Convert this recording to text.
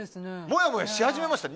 もやもやし始めました。